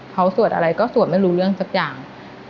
เขาสวดอะไรก็สวดไม่รู้เรื่องสักอย่าง